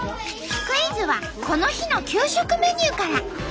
クイズはこの日の給食メニューから。